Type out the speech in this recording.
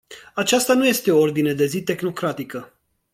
Aceasta nu este o ordine de zi tehnocratică.